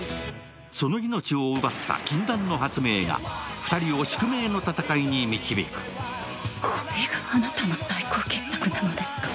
その命を奪った禁断の発明が２人を宿命の戦いに導くこれがあなたの最高傑作なのですか！？